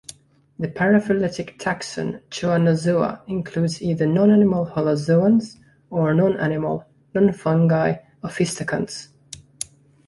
The paraphyletic taxon Choanozoa includes either non-animal holozoans, or non-animal, non-fungi opisthokonts.